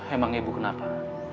emang ibu kenapa